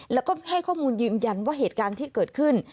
แล้วก็ให้ข้อมูลยืนยันว่าเหตุการณ์ที่เกิดขึ้น